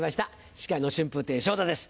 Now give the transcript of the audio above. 司会の春風亭昇太です